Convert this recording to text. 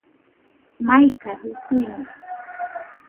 Maikajɨ tuiño